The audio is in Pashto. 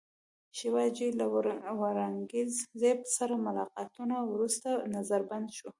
شیوا جي له اورنګزېب سره له ملاقاته وروسته نظربند شو.